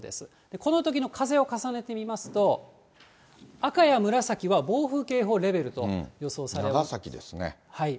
このときの風を重ねてみますと、赤や紫は暴風警報レベルと予想さ長崎ですね。